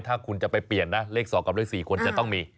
ถ้าคุณจะไปเปลี่ยนนะเลข๒กับเลข๔ควรจะต้องมี